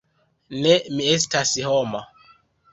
Ne, mi estas homo.